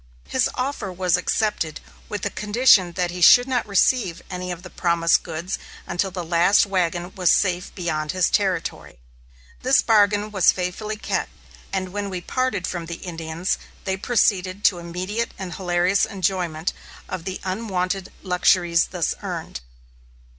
His offer was accepted, with the condition that he should not receive any of the promised goods until the last wagon was safe beyond his territory. This bargain was faithfully kept, and when we parted from the Indians, they proceeded to immediate and hilarious enjoyment of the unwonted luxuries thus earned.